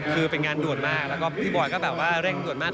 คือเป็นงานด่วนมากแล้วก็พี่บอยก็แบบว่าเร่งด่วนมาก